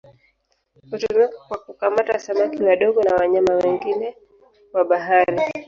Hutumika kwa kukamata samaki wadogo na wanyama wengine wa bahari.